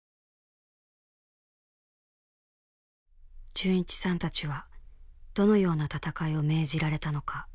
循一さんたちはどのような戦いを命じられたのか。